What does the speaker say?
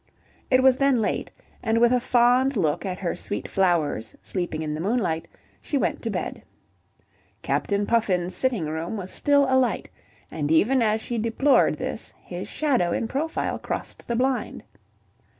It was then late, and with a fond look at her sweet flowers sleeping in the moonlight, she went to bed. Captain Puffin's sitting room was still alight, and even as she deplored this, his shadow in profile crossed the blind.